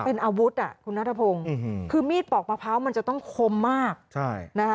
เป็นอาวุธอ่ะคุณนัทพงศ์คือมีดปอกมะพร้าวมันจะต้องคมมากใช่นะคะ